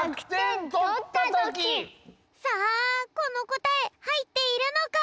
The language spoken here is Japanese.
さあこのこたえはいっているのか！？